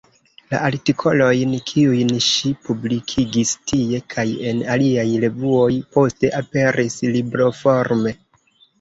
La artikolojn, kiujn ŝi publikigis tie kaj en aliaj revuoj, poste aperis libroforme.